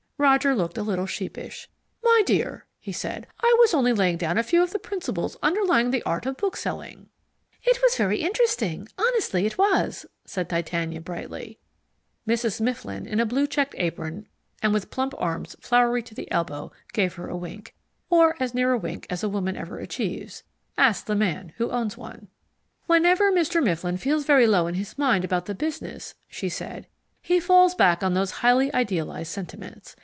Roger looked a little sheepish. "My dear," he said, "I was only laying down a few of the principles underlying the art of bookselling " "It was very interesting, honestly it was," said Titania brightly. Mrs. Mifflin, in a blue check apron and with plump arms floury to the elbow, gave her a wink or as near a wink as a woman ever achieves (ask the man who owns one). "Whenever Mr. Mifflin feels very low in his mind about the business," she said, "he falls back on those highly idealized sentiments.